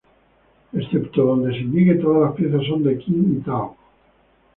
Excepto donde se indique, todas las piezas son de King y Taub.